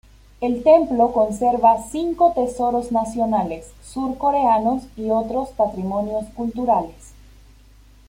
El templo conserva cinco tesoros nacionales surcoreanos y otros patrimonios culturales.